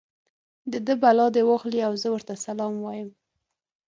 د ده بلا دې واخلي او زه ورته سلام وایم.